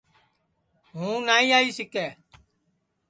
ہوں نائی آئی سِکے